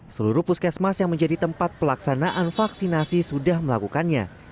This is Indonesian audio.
seluruh puskesmas yang menjadi tempat pelaksanaan vaksinasi sudah melakukannya